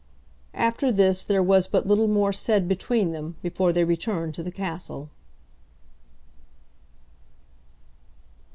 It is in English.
After this there was but little more said between them before they returned to the castle.